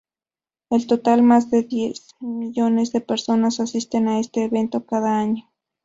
En total, más de diez millones de personas asisten a este evento cada año.